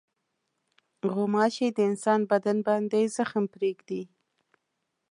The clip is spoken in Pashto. غوماشې د انسان بدن باندې زخم پرېږدي.